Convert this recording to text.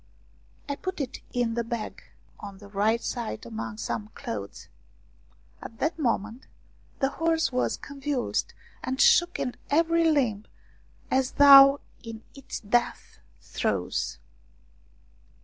I put it in the bag on the right side among some clothes. At that moment the horse was convulsed and shook in every limb as though in its death throes.